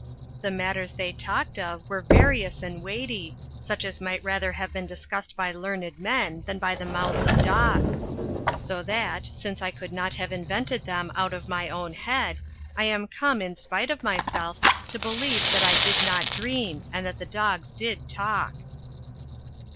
The matters they talked of were various and weighty, such as might rather have been discussed by learned men than by the mouths of dogs; so that, since I could not have invented them out of my own head, I am come, in spite of myself, to believe that I did not dream, and that the dogs did talk.